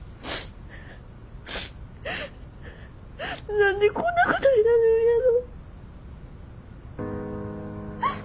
何でこんなことになるんやろ。